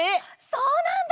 そうなんだ！